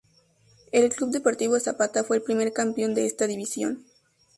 El Club Deportivo Zapata fue el primer campeón de esta división.